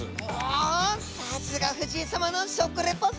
さすが藤井様の食リポすギョい！